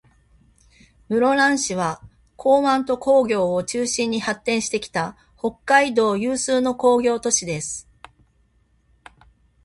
室蘭市は、港湾と工業を中心に発展してきた、北海道有数の工業都市です。